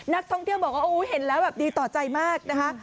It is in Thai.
นักท่องเที่ยวบอกว่าโอ้เห็นแล้วแบบดีต่อใจมากนะคะ